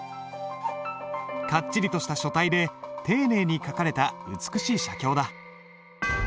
かっちりとした書体で丁寧に書かれた美しい写経だ。